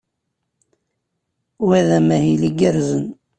Wa d amahil igerrzen.